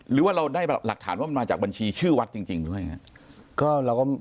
หรือว่าเราได้หลักฐานว่ามันมาจากบัญชีชื่อวัดจริงหรือว่าอย่างนี้